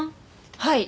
はい。